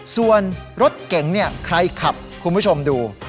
ส่วนรถเก่งเนี่ยใครขับคุณผู้ชมดู